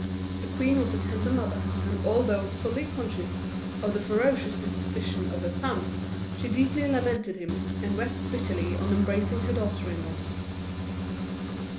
The queen was a tender mother, and although fully conscious of the ferocious disposition of her son, she deeply lamented him, and wept bitterly on embracing her daughter in law.